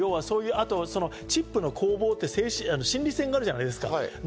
チップの攻防って心理戦があるじゃないですか。